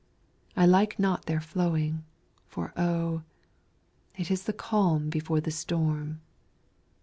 I like not their flowing, For oh, it is the calm before the storm.